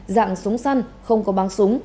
dạng súng săn không có băng súng